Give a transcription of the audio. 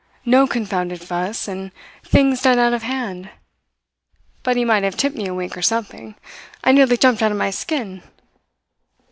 No confounded fuss, and things done out of hand. But he might have tipped me a wink or something. I nearly jumped out of my skin.